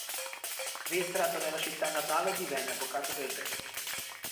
Rientrato nella città natale, divenne avvocato del Re.